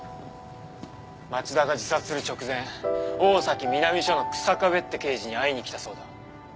町田が自殺する直前大崎南署の草壁って刑事に会いに来たそうだ。